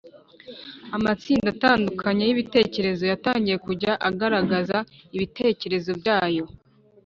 amatsinda atandukanye y’ibitekerezo yatangiye kujya agaragaza ibitekerezo byayo